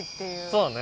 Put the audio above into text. そうね。